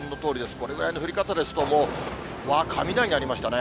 これぐらいの降り方ですともう、わー、雷鳴りましたね。